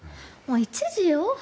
もう１時よ